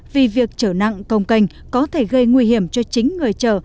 vì việc chở nặng cồng cành có thể gây nguy hiểm cho chính người chở